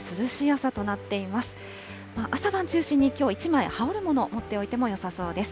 朝晩中心に、きょう、１枚羽織るもの持っておいてもよさそうです。